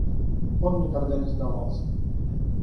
Он никогда не сдавался.